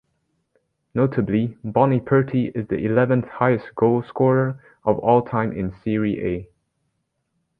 Notably, Boniperti is the eleventh-highest goalscorer of all-time in Serie A.